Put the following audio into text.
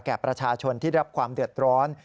แก่ประชาชนที่รับความเดือดร้อน